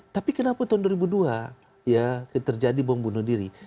tapi kenapa tahun dua ribu dua ya terjadi bom bunuh diri